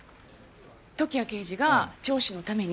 時矢刑事が聴取のために。